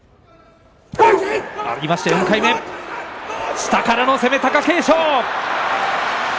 下からの攻め、貴景勝。